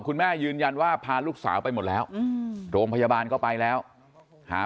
ยืนยันว่าพาลูกสาวไปหมดแล้วโรงพยาบาลก็ไปแล้วหา